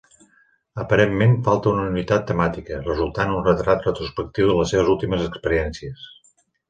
Aparentment falta una unitat temàtica, resultant un retrat retrospectiu de les seves últimes experiències.